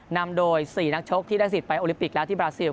นำโดย๔นักชกที่ได้สิทธิไปโอลิปิกแล้วที่บราซิล